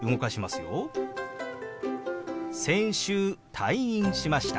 「先週退院しました」。